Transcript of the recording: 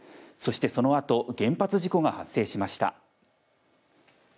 そして、そのあと原発事故が発生しました。